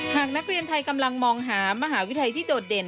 หากนักเรียนไทยกำลังมองหามหาวิทยาลัยที่โดดเด่น